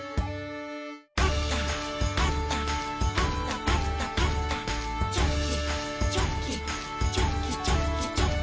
「パタパタパタパタパタ」「チョキチョキチョキチョキチョキ」